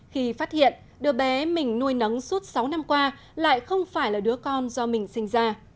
khi phát hiện đứa bé mình nuôi nắng suốt sáu năm qua lại không phải là đứa con do mình sinh ra